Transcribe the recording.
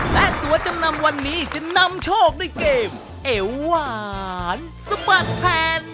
และตัวจำนำวันนี้จะนำโชคด้วยเกมเอวหวานสะบัดแผ่น